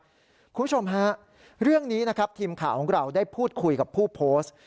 คุณผู้ชมฮะเรื่องนี้นะครับทีมข่าวของเราได้พูดคุยกับผู้โพสต์